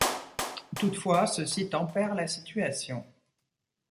Toutefois, ceux-ci tempèrent la situation.